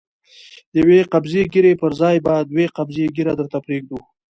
د يوې قبضې ږيرې پر ځای به دوې قبضې ږيره درته پرېږدو.